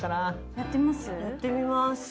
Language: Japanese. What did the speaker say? やってみます。